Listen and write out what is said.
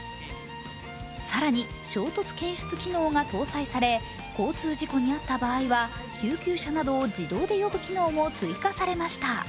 更に、衝突検出機能が搭載され、交通事故に遭った場合は、救急車など自動で呼ぶ機能も追加されました。